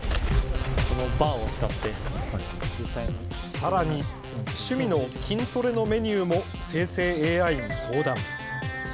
さらに趣味の筋トレのメニューも生成ＡＩに相談。